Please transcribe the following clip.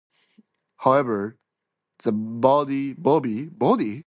However, the Bobby name lives on in Watchfire Corporation's Watchfire Bobby program.